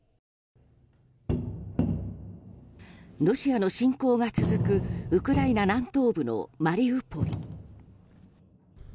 ロシアの侵攻が続くウクライナ南東部のマリウポリ。